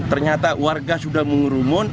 ternyata warga sudah mengurumun